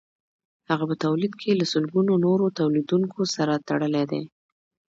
هغه په تولید کې له سلګونو نورو تولیدونکو سره تړلی دی